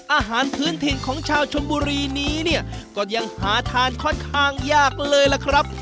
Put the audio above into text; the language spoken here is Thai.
อาหารพื้นถิ่นของชาวชนบุรีนี้เนี่ยก็ยังหาทานค่อนข้างยากเลยล่ะครับ